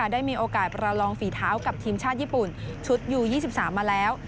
ได้มีโอกาสประลองฝีเท้ากับทีมชาติญี่ปุ่นชุดยู๒๓มาแล้ว